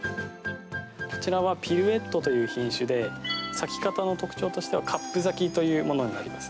こちらはピルエットという品種で咲き方の特徴としてはカップ咲きというものになります。